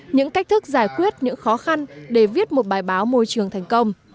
những cách thức giải quyết những khó khăn để viết một bài báo môi trường thành công